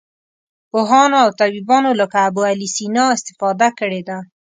پوهانو او طبیبانو لکه ابوعلي سینا استفاده کړې ده.